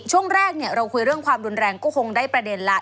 ช่วงแรกเราคุยเรื่องความรุนแรงก็คงได้ประเด็นแล้ว